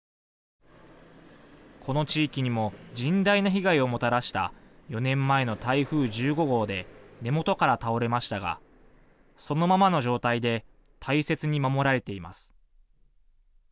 この地域にも甚大な被害をもたらした４年前の台風１５号で根元から倒れましたがそのままの状態で大切に守られています。